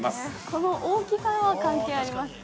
◆この大きさは関係ありますか。